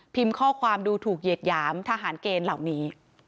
ข้อความดูถูกเหยียดหยามทหารเกณฑ์เหล่านี้